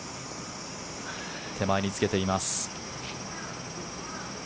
手前につけています。